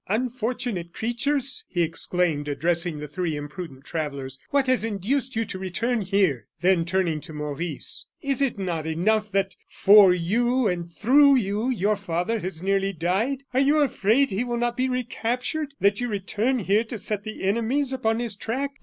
"Unfortunate creatures!" he exclaimed, addressing the three imprudent travellers, "what has induced you to return here?" Then turning to Maurice: "Is it not enough that for you, and through you, your father has nearly died? Are you afraid he will not be recaptured, that you return here to set the enemies upon his track?